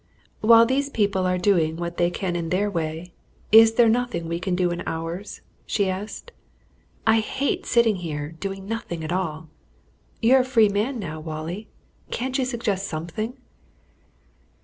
"While these people are doing what they can in their way, is there nothing we can do in ours?" she asked. "I hate sitting here doing nothing at all! You're a free man now, Wallie can't you suggest something?"